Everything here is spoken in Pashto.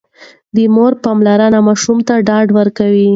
د مور پاملرنه ماشوم ته ډاډ ورکوي.